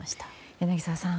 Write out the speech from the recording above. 柳澤さん